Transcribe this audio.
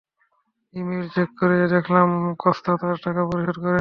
Email check করে দেখলাম কস্তা তার টাকা পরিশোধ করেনি।